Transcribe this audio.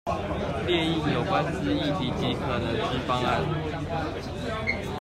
列印有關之議題及可能之方案